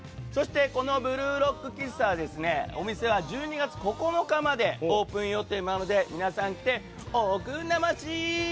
この「ブルーロック」喫茶は１２月９日までオープン予定なので皆さん来ておくんなましー！